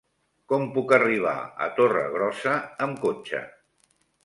Com puc arribar a Torregrossa amb cotxe?